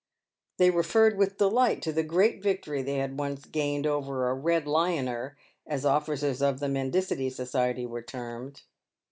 They referred with delight to the great victory they had once gained over a " red lioner" — as the officers of the Mendicity Society were termed.